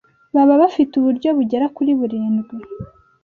baba bafite uburyo bugera kuri burindwi